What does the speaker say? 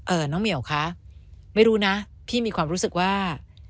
น้องเหมียวคะไม่รู้นะพี่มีความรู้สึกว่า